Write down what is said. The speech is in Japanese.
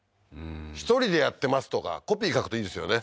１人でやってますとかコピー書くといいですよね